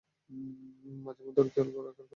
মাঝেমধ্যে ও ওর খেয়াল রাখার কথা ভুলে যায়!